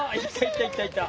いったいった。